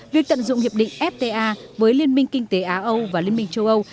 việc tận dụng hiệp định fta với liên minh kinh tế á âu và liên minh châu âu